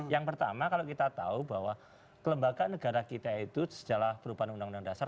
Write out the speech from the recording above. yang pertama kalau kita tahu bahwa kelembagaan negara kita itu setelah perubahan undang undang dasar